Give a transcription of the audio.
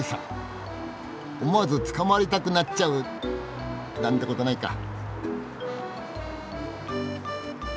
思わず捕まりたくなっちゃうなんてことないか。